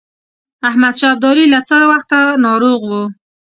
احمدشاه ابدالي له څه وخته ناروغ وو.